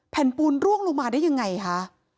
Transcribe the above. แผ่นปูนล่วงลงมาได้ยังไงค่ะ